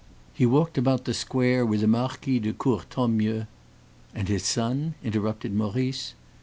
He walked about the square with the Marquis de Courtornieu " "And his son?" interrupted Maurice.